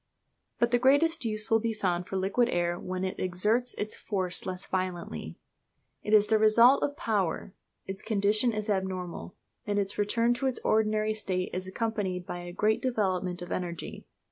But the greatest use will be found for liquid air when it exerts its force less violently. It is the result of power; its condition is abnormal; and its return to its ordinary state is accompanied by a great development of energy.